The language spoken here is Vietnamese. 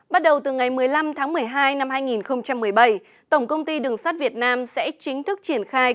bắt đầu từ ngày một mươi năm tháng một mươi hai năm hai nghìn một mươi bảy tổng công ty đường sắt việt nam sẽ chính thức triển khai